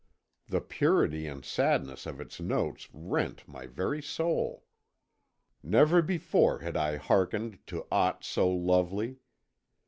The purity and sadness of its notes rent my very soul. Never before had I hearkened to aught so lovely.